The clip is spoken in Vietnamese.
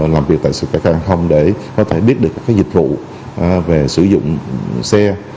làm việc tại sự khai thác hàng không để có thể biết được các dịch vụ về sử dụng xe